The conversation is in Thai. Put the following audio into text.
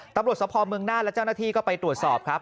ตำรวจสภพเมืองหน้าและเจ้าหน้าที่ก็ไปตรวจสอบครับ